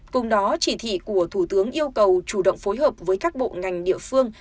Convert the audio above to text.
cùng đó chỉ thị của thủ tướng yêu cầu chủ động phối hợp với các bộ ngành địa phương